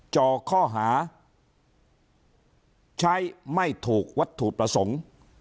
จ่อข้อหาใช้ไม่ถูกวัตถุประสงค์